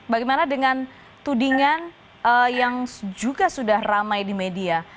bagaimana dengan tudingan yang juga sudah ramai di media